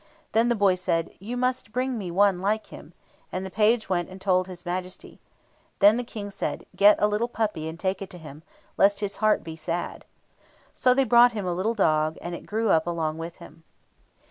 Then the boy said, "You must bring me one like him," and the page went and told His Majesty. Then the King said, "Get a little puppy, and take it to him, lest his heart be sad." So they brought him a little dog, and it grew up along with him.